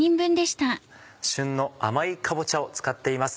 旬の甘いかぼちゃを使っています。